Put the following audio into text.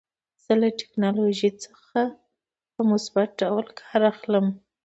زه له ټکنالوژۍ څخه په مثبت ډول کار اخلم.